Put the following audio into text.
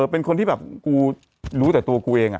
เป็นคนที่แบบกูรู้แต่ตัวกูเอง